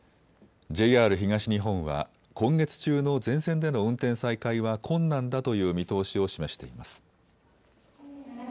ＪＲ東日本は今月中の全線での運転再開は困難だという見通しを示しています。